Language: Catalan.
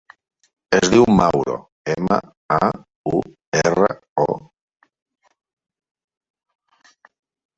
Es diu Mauro: ema, a, u, erra, o.